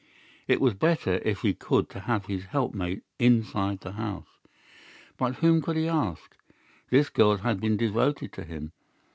It was better, if he could, to have his helpmate inside the house. But whom could he ask? This girl had been devoted to him.